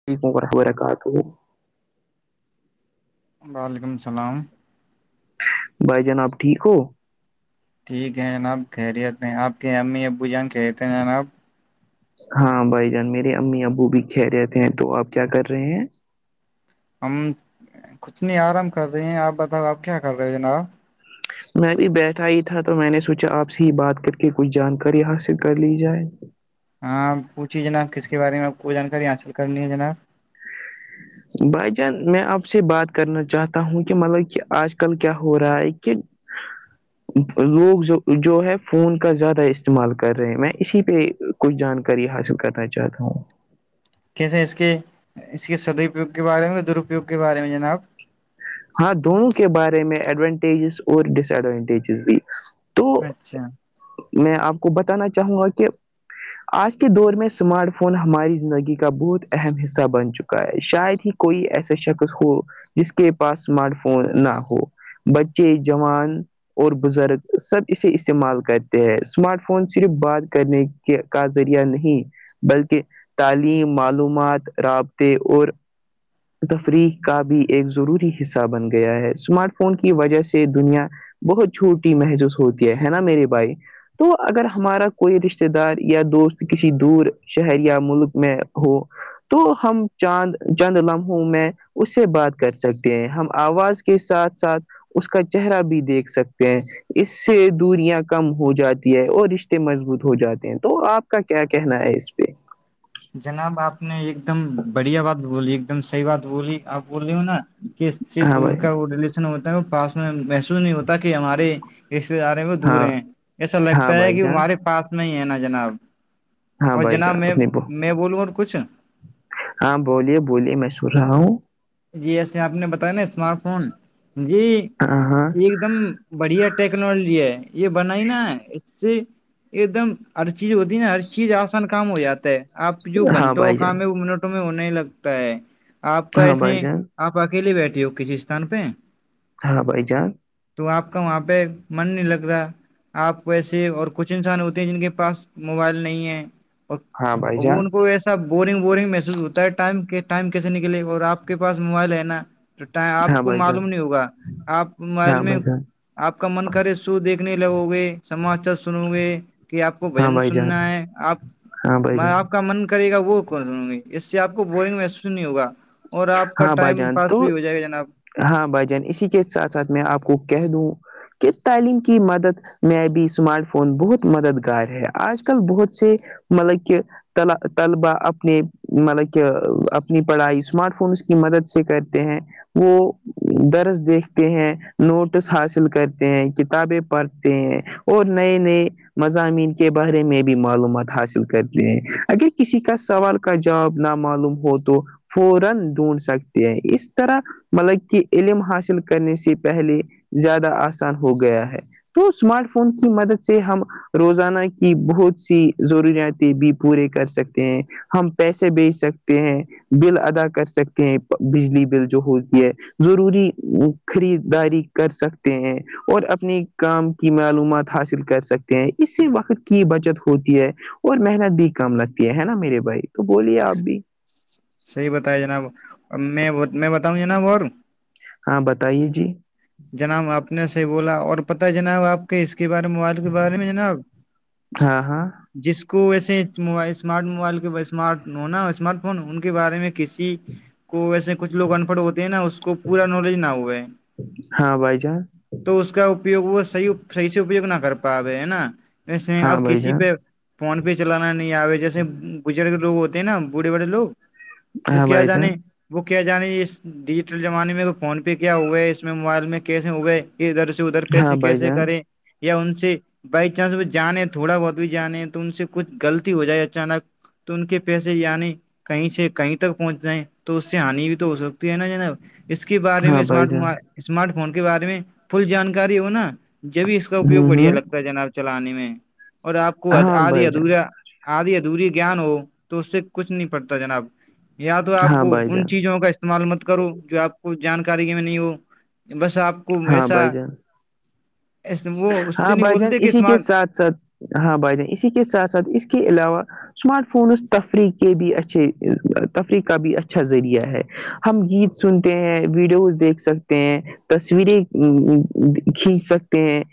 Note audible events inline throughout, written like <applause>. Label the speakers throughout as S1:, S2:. S1: السلام علیکم ورحمۃ اللہ وبرکاتہ
S2: وعلیکم السلام
S1: بھائی جان آپ ٹھیک ہو
S2: ٹھیک ہے جناب خیریت میں آپ کے امی ابو جان خیریت میں ہیں جناب
S1: ہاں بھائی جان میرے امی ابو بھی خیریت ہیں تو آپ کیا کر رہے ہیں
S2: ہم کچھ نہیں آرام کر رہی ہیں آپ بتاؤ آپ کیا کر رہے ہو جناب
S1: میں بھی بیٹھا ہی تھا تو میں نے سوچا آپ سے ہی بات کر کے کچھ جانکاری حاصل کر لی جائے
S2: ہاں آپ پوچھیے جناب کس کے بارے میں آپ کو جانکاری حاصل کرنی ہے جناب ج <inaudible>
S1: بھائی جان میں آپ سے بات کرنا چاہتا ہوں کہ مطلب کہ آج کل کیا ہو رہا ہے کہ ہاں <unintelligible> لوگ جو ہے فون کا زیادہ استعمال کر رہے ہیں میں اسی پہ کچھ جانکاری حاصل کرنا چاہتا ہوں
S2: کیسے اس کے اس کے سدپیوگ کے بارے میں درپیوگ کے بارے میں جناب
S1: ہاں دونوں کے بارے میں ایڈوانٹیجز اور ڈس ایڈوانٹیجز بھی تو
S2: اچھا
S1: میں آپ کو بتانا چاہوں گا کہ آج کے دور میں اسمارٹ فون ہماری زندگی کا بہت اہم حصہ بن چکا ہے شاید ہی کوئی ایسا شخص ہو جس کے پاس اسمارٹ فون نہ ہو بچے جوان اور بزرگ سب اسے استعمال کرتے ہیں اسمارٹ فون صرف بات کرنے کا ذریعہ نہیں بلکہ تعلیم معلومات رابطے اور تفریح کا بھی ایک ضروری حصہ بن گیا ہے اسمارٹ فون کی وجہ سے دنیا دنیا بہت چھوٹی محسوس ہوتی ہے نا میرے بھائی تو اگر ہمارا کوئی رشتے دار یا دوست کسی دور شہر یا ملک میں ہو تو ہم چاند چد لمحوں میں اس سے بات کر سکتے ہیں ہم آواز کے ساتھ ساتھ اس کا چہرہ بھی دیکھ سکتے ہیں اس سے دوریاں کم ہو جاتی ہے اور رشتے مضبوط ہو جاتے ہیں تو آپ کا کیا کہنا ہے اس پہ
S2: جناب آپ نے ایک دم بڑھیا بات بولی ایک دم صحیح بات بولی آپ بول رہے ہو نا کس سے
S1: ہاں
S2: دور
S1: بھائی
S2: کا وہ ریلیشن ہوتا ہے پاس میں محسوس نہیں ہوتا کہ ہمارے رشتے دار وہ دور
S1: ہاں
S2: ہیں ایسا
S1: ہاں
S2: لگتا ہے
S1: بھائی
S2: کہ وہ
S1: جان
S2: ہمارے پاس میں ہی ہے نا جناب
S1: ہاں
S2: اور
S1: بھائی
S2: جناب
S1: جان
S2: میں
S1: آپ نے
S2: میں بولوں اور کچھ
S1: ہاں بولیے بولیے میں سن رہا ہوں
S2: جی ایسے آپ نے بتایا نا اسمارٹ فون جی ایک
S1: ہاں ہاں
S2: ایک دم بڑھیا ٹیکنالوجی ہے یہ بنائی نا اس سے ایک دم ہر چیز ہوتی ہے نا ہر چیز آسان کام ہو جاتا ہے آپ جو
S1: ہاں
S2: گھنٹوں کا
S1: بھائی جان
S2: کام ہے وہ منٹ میں ہونے لگتا ہے آپ کا
S1: ہاں بھائی
S2: ایسے
S1: جان
S2: آپ اکیلے بیٹھے ہو کسی استان پہ
S1: ہاں بھائی جان
S2: تو آپ کا وہاں پہ من نہیں لگ رہا آپ کو ایسے اور کچھ انسان ہوتے ہیں جن کے پاس موبائل نہیں ہے اور
S1: ہاں بھائی
S2: وہ
S1: جان
S2: ان کو ایسا بورنگ بورنگ محسوس ہوتا ہے ٹائم ٹائم کیسے نکلے اور آپ کے پاس موبائل ہے نا تو ٹم
S1: ہاں
S2: آپ کو
S1: بھائی جان
S2: معلوم نہیں ہوگا آپ موبائیل
S1: ہاں
S2: میں
S1: بھائی جان
S2: آپ کا من کرے شو دیکھنے لگو گے سماچار سنو گے کہ آپ کو
S1: ہاں
S2: بجن
S1: بھائی جان
S2: سننا ہے آپ
S1: ہاں بھائی
S2: میں
S1: جان
S2: آپ کا من کرے گا وہ سنوں گی اس سے آپ کو بورنگ محسوس نہیں ہوگا اور آپ کا
S1: ہاں بھائی
S2: ٹائم
S1: جان
S2: پاس
S1: تو
S2: بھی ہو جائے گا جناب
S1: ہاں بھائی جان اسی کے ساتھ ساتھ میں آپ کو کہہ دوں کہ تعلیم کی مدد میں بھی اسمارٹ فون بہت مددگار ہے آج کل بہت سے مطلب کہ طلبا اپنے مطلب کہ اپنی پڑھائی اسمارٹ فونس کی مدد سے کرتے ہیں وہ درس دیکھتے ہیں نوٹس حاصل کرتے ہیں کتابیں پڑھتے ہیں اور نئے نئے مضامین کے بارے میں بھی معلومات حاصل کرتے ہیں اگر کسی کا سوال کا جواب نامعلوم ہو تو فورا ڈھونڈ سکتی ہے اس طرح مطلب کہ علم حاصل کرنے سے پہلے زیادہ آسان ہو گیا ہے تو اسمارٹ فون کی مدد سے ہم روزانہ کی بہت سی ضروریاتیں بھی پورے کر سکتے ہیں ہم پیسے بیچ سکتے ہیں بل ادا کر سکتے ہیں بجلی بل جو ہوتی ہے ضروری خریداری کر سکتے ہیں اور اپنی کام کی معلومات حاصل کر سکتے ہیں اس سے وقت کی بچت ہوتی ہے اور محنت بھی کم لگتی ہے ہے نا میرے بھائی تو بولیے آپ بھی
S2: صحیح بتایا جناب اب میں میں بتاؤں جناب اور
S1: ہاں بتائیے جی
S2: جناب آپ نے صحیح بولا اور پتا جناب آپ کے اس کے بارے موبائل کے بارے میں جناب
S1: ہاں ہاں
S2: جس کو ویسے اسمارٹ موبائل کے اسمارٹ ہونا اسمارٹ فون ان کے بارے میں کسی کی کو ویسے کچھ لوگ انپڑ ہوتے ہیں نا اس کو پورا نالج نہ ہوا ہے
S1: ہاں بھائی جان
S2: تو اس کا اپیوگ وہ صحیح سے اپیوگ نہ کر پاوے ہے نا وسے
S1: ہاں
S2: اب
S1: بھائی
S2: کسی
S1: جان
S2: پہ فون پہ چلانا نہیں آے جیسے بزرگ لوگ ہوتے ہیں نا بوڑے بڑے لوگ وہ
S1: ہاں
S2: کیا
S1: بھائی جان
S2: جانے وہ کیا جانے اس ڈیجیٹل زمانے میں فون پے کیا ہوا ہے اس میں موبائل میں کیسے ہوئے ادھر سے ادھر
S1: ہاں
S2: پیسے
S1: بھائی
S2: کیسے
S1: جان
S2: کریں یا ان سے بائی چانس وہ جانے تھوڑا بہت بھی جانے تو ان سے کچھ غلطی ہو جائے اچانک تو ان کے پیسے یعنی کہیں سے کہیں تک پہنچ جائیں تو اس سے ہانی بھی تو ہو سکتی ہے نا نا اس کے بارے میں
S1: ہاں بھائی
S2: اسمارٹ
S1: جان
S2: موبائل اسمارٹ فون کے بارے میں فل جانکاری ہو نا جبھی اس کا اپیوگ
S1: ہوں
S2: بڑھیا
S1: ہوں
S2: لگتا ہے جناب چلانے میں اور آپ کو
S1: ہاں
S2: آدھی
S1: بھائی جان
S2: ادھورا آدی ادوری گان ہو تو اس سے کچھ نہیں پڑتا جناب یا تو آپ
S1: ہاں
S2: کو
S1: بھائی
S2: ان
S1: جان
S2: چیزوں کا استعمال مت کرو جو آپ کو جانکاری میں نہیں ہو بس آپ کو
S1: ہاں
S2: ایسا
S1: بھائی جان
S2: وہ اس سے
S1: ہاں
S2: نہیں
S1: بھائی جان
S2: بولتے کہ
S1: اسی کے
S2: اسمارٹ
S1: ساتھ ساتھ ہاں بھائی جان اسی کے ساتھ ساتھ اس کے علاوہ اسمارٹ فونز تفریح کے بھی اچھے تفریح کا بھی اچھا ذریعہ ہے ہم گیت سنتے ہیں ویڈیوز دیکھ سکتے ہیں تصویریں کھینچ سکتے ہیں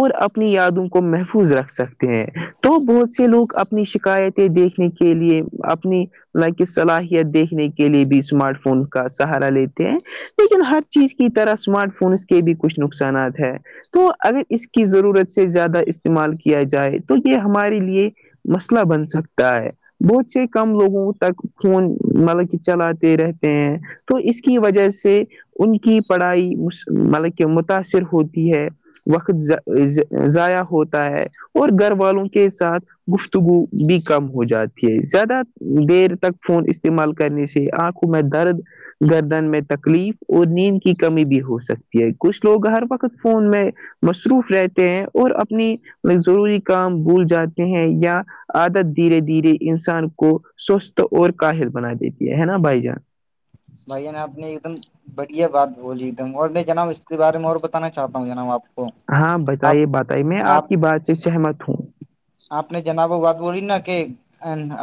S1: اور اپنی یادوں کو محفوظ رکھ سکتے ہیں تو بہت سے لوگ اپنی شکایت دیکھنے کے لیے اپنی حالانکہ صلاحیت دیکھنے کے لیے بھی اسمارٹ فون کا سہارا لیتے ہیں لیکن ہر چیز کی طرح اسمارٹ فونس کے بھی کچھ نقصانات ہے تو اگر اس کی ضرورت سے زیادہ استعمال کیا جائے تو یہ ہمارے لیے مسئلہ بن سکتا ہے بہت سے کم لوگوں تک فون مطلب کہ چلاتے رہتے ہیں تو اس کی وجہ سے ان کی پڑھائی مطلب کہ متاثر ہوتی ہے وقت ضائع ہوتا ہے اور گھر والوں کے ساتھ گفتگو بھی کم ہو جاتی ہے زیادہ دیر تک فون استعمال کرنے سے آپ انکھوں میں درد گردن میں تکلیف اور نیند کی کمی بھی ہو سکتی ہے کچھ لوگ ہر وقت فون میں مصروف رہتے ہیں اور اپنی ضروری کام بھول جاتے ہیں یا عادت دھیرے دھیرے انسان کو سست اور کاہل بنا دیتی ہے نا بھائی جان
S2: بھائی جان آپ نے ایک دم بڑھیا بات بولی ایک دم اور میں جناب اس کے بارے میں اور بتانا چاہتا ہوں جناب آپ کو
S1: ہاں
S2: آپ
S1: بتائیے بتائیے میں آپ کی بات سے سہمت ہوں
S2: آپ نے جناب وہ بات بولی نا کہ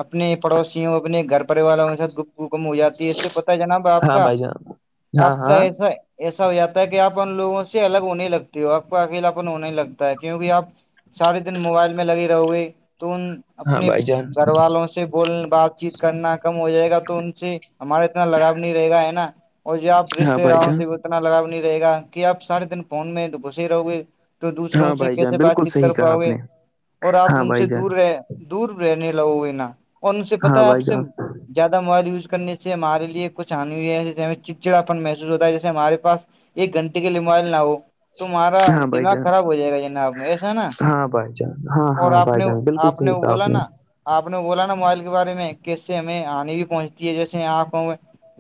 S2: اپنے پڑوسیوں اپنے گھر پریوار والوں کے ساتھ گفتگو کم ہو جاتی ہے اس سے پتہ ہے جناب اپ
S1: ہاں
S2: کا
S1: بھائی جان ہاں
S2: اپ کا
S1: ہاں
S2: اس سے ایسا ہو جاتا ہے کہ آپ ان لوگوں سے الگ ہونے لگتی ہو آپ کو اکیلا اپن ہونے لگتا ہے کیونکہ آپ سارے دن موبائل میں لگی رہو گئی تو ان
S1: ہاں
S2: اپنے
S1: بھائی جان
S2: گھر والوں سے بول بات چیت کرنا کا کم ہو جائے گا تو ان سے ہمارا اتنا لگاؤ نہیں رہے گا ہے نا اور یہ آپ
S1: ہاں
S2: رشتے
S1: بھائی
S2: داروں
S1: جان
S2: سے اتنا لگاؤ نہیں رہے گا کہ آپ سارے دن فون میں گسیے رہو گے تو دوسروں
S1: ہاں
S2: سے
S1: بھائی جان
S2: کیسے بات
S1: بالکل
S2: چیت
S1: صحیح
S2: کر
S1: کہا
S2: پاؤ
S1: آپ
S2: گے
S1: نے
S2: اور آپ
S1: ہاں
S2: ان سے
S1: بھائی جان
S2: دور رہ دور رہنے لگو گے نا اور ان سے پتا
S1: ہاں
S2: ہے آپ
S1: بھائی
S2: سے
S1: جان
S2: زیادہ موبائل یوز کر سے ہمارے لیے کچھانی ہو ہے جیے ہم چچڑاپن محسو ہوتا ہے جسے ہمارے پاس ایک گھنٹے کے لیے موبائل نہ ہو تمہارا
S1: ہاں بھائی
S2: دماغ
S1: جان
S2: خراب ہو جائے گا جناب ایسا ہے نا
S1: ہاں بھائی جان ہاں
S2: اور
S1: ہاں
S2: آپ
S1: بھائی
S2: نے
S1: جان بالکل
S2: آپ نے
S1: صحیح
S2: وہ
S1: کہا
S2: بولا نا آپ نے بولا نا موبائل کے بارے میں کیس سے ہمیں آنی بھی پہنچتی ہے جیسے انکھوں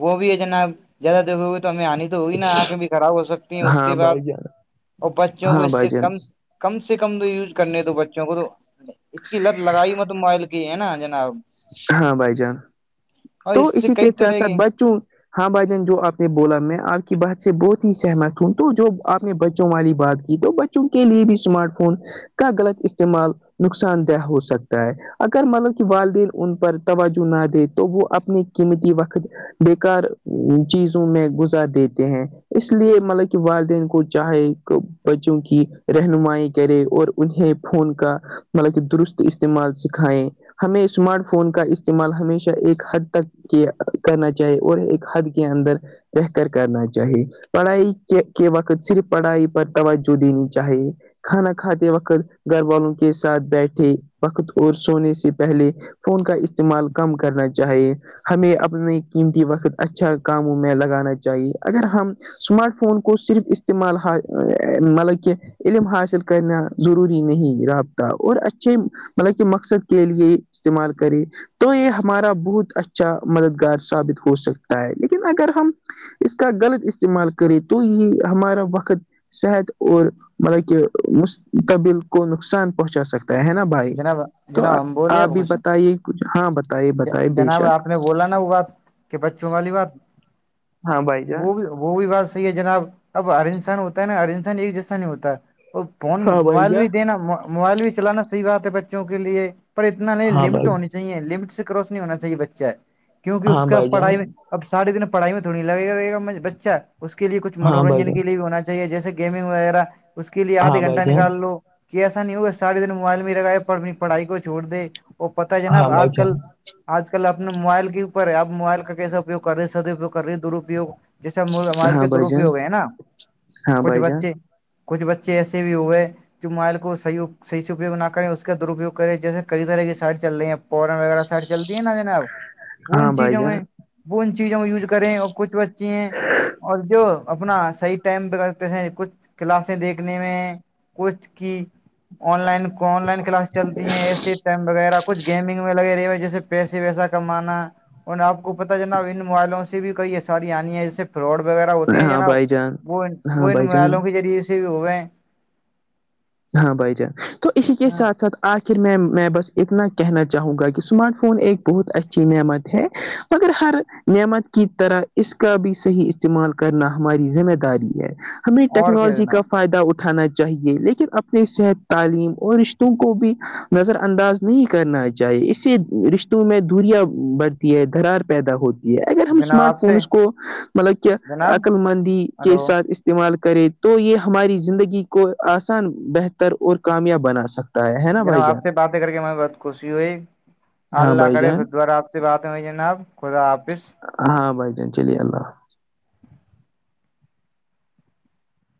S2: وہ بھی ہے جناب زیادہ دیکھو تو ہمیں آنی تو ہوگی نا آنکھیں بھی خراب ہو سکتی ہیں اس
S1: ہاں
S2: کے بعد
S1: بھائی جان
S2: اور بچوں کو
S1: ہاں
S2: اس
S1: بھائی
S2: سے
S1: جان
S2: کم کم سے کم تو یوز کرنے دو بچوں کو تو اس کی لت لگائی مت موبائل کی ہے نا جناب
S1: ہاں بھائی جان
S2: اور
S1: تو
S2: اس سے
S1: اسی کے
S2: کئی
S1: ساتھ
S2: طرح
S1: ساتھ
S2: کی
S1: بچوں ہاں بھائی جان جو آپ نے بولا میں آپ کی بات سے بہت ہی سہمت ہوں تو جو آپ نے بچوں والی بات کی تو کے لیے بھی اسمارٹ فون کا غلط استعمال نقصان دہ ہو سکتا ہے اگر مطلب کہ والدین ان پر توجہ نہ دے تو وہ اپنے قیمتی وقت بیکار چیزوں میں گزار دیتے ہیں اس لیے مطلب کہ والدین کو چاہے بچوں کی رہنمائی کرے اور انہیں فون کا مطلب کہ درست استعمال سکھائیں ہمیں اسمارٹ فون کا استعمال ہمیشہ ایک حد تک کیا کرنا چاہیے اور ایک حد کے اندر بہتر کرنا چاہیے پڑھائی کے کے وقت صرف پڑھائی پر توجہ دینی چاہیے کھانا کھاتے وقت گھر والوں کے ساتھ بیٹھے وقت اور سونے سے پہلے فون کا استعمال کم کرنا چاہیے ہمیں اپنے قیمتی وقت اچھا کاموں میں لگانا چاہیے اگر ہم اسمارٹ فون کو صرف استعمال مطلب کہ علم حاصل کرنا ضروری نہیں رابطہ اور اچھے مطلب کہ مقصد کے لیے استعمال کرے تو یہ ہمارا بہت اچھا مددگار ثابت ہو سکتا ہے لیکن اگر ہم اس کا غلط استعمال کرے تو یہ ہمارا وقت صحت اور مطلب کہ مستقبل کو نقصان پہنچا سکتا ہے نا بھائی
S2: جناب
S1: تو
S2: جناب ہم بولے
S1: آپ
S2: اب
S1: بھی
S2: کچھ
S1: بتائیے کچھ ہاں بتائیے بتائیے بے
S2: جناب
S1: شک
S2: آپ بولا نا وہ بات کہ بچوں والی بات
S1: ہاں بھائی جان
S2: وہ بھی تو وہ بھی بات صحیح ہے جناب اب ہر انسان ہوتا ہے نا ہر انسان ایک جیسا نہیں ہوتا وہ فون
S1: ہاں بھائی
S2: موبائل بھی
S1: جان
S2: دینا موبائل بھی چلانا صحیح بات ہے بچوں کے لیے پر اتنا نہیں
S1: ہاں
S2: لمٹ
S1: بھائی
S2: ہونی چاہیے لمٹ سے کراس نہیں ہونا چاہیے بچہ کیوںکہ اس
S1: ہاں
S2: کا
S1: بھائی جان
S2: پڑھائی میں اب سارے دن پڑھائی میں تھوڑی لگےاے گا بچہ اس کے لیے کچھ
S1: ہاں بھائی
S2: منورنجن کے لیے بھی ہونا چ اہے جیسے گیمنگ وغیرہ اس کے لیے آدھا گھٹہ
S1: جان
S2: نکال لو کہ ایسا نہیں ہوگا سارھے دن موبائل میں لگ ہے پر اپنی پڑھائی کو چھوڑ دے اور پتا ہے نا
S1: ہاں
S2: آج
S1: بھائی
S2: کل
S1: جان
S2: آج کل اپنے موبائل کے اوپر ہے آ موبائل کا کیسا اپپوگ کر رہ ہیں سدپیوگ رہی ہے درپیوگ جیسے م مال
S1: ہاں
S2: کے
S1: بھائی
S2: دروپ بھی
S1: جان
S2: ہو گئے ہیں نا
S1: ہاں
S2: کچھ
S1: بھائی جان
S2: بچے کچھ بچے ایسے بھی ہوئے جو مائل کو صحیح اپیو نہ کریں اس کا درپیگ کریں جیسے کئی طرح کی سائڈ چل رہی ہیںپ فورن وغیرہ سٹ چلتی ہے نا جنا اب وہ
S1: ہاں
S2: ان
S1: بھائی
S2: چیزوں میں
S1: جان
S2: وہ ان چیزوں کو یوز کریں اور کچھ بچے ہیں اور جو اپنا صحیح ٹائم پہ کرتے تھے کچھ کلاسیں دیکھنے میں کچھ کی online online class چلتی ہیں اے سی فم وغیرہ کچھ گیمنگ لگے رہی ہو جیسے پیسے ویسا کمانا اور آپ کو پتا ہے نا ان موبائلوں سے سے بھی کئی ساری آنی ہے جس سے فراڈ وغیرہ ہوتے ہیں
S1: ہاں
S2: نا
S1: بھائی جان ہاں بھائی جان
S2: وہ
S1: ہاں
S2: ان
S1: بھائی جان
S2: موبائلوں کے ذریعے ک بھی ہوئے
S1: ہاں بھائی جان تو اسی کے
S2: ہاں
S1: ساتھ ساتھ آخر میں میں بس اتنا کہنا چاہوں گا کہ اسمارٹ فون ایک بہت اچھی نعمت ہے مگر ہر نعمت کی طرح اس کا بھی صحیح استعمال کرنا ہماری ذمہ داری ہے ہمیں
S2: اور کیا
S1: ٹیکنالوجی کا
S2: جناب
S1: فائدہ اٹھانا چاہیے لیکن اب اپ صحت تعلیم اور رشتوں کو بھی نظر انداز نہیں کرنا چاہیے اسے رش میں دھوریاں بڑھتی ہے دھرار پیدا ہوتی یہ اگر ہم
S2: جناب
S1: اسمارٹ
S2: آپ سے
S1: فونس کو مطلب کہ
S2: جناب
S1: عقللمندی کے
S2: ہلو
S1: ساتھ استعمال کرے تو یہ ہماری زندگی کو آسان بہتر اور کامیاب بنا سکتا ہے ہے نا بھائی
S2: جناب آپ
S1: جان
S2: سے باتیں کر کے ہم بہت خوشی ہوئی
S1: ہاں
S2: اللہ
S1: بھائی
S2: کرے پھر
S1: جان
S2: دوبارہ آپ سے بات ہوئی جناب خدا حافظ
S1: ہاں بائی جان چلییا ال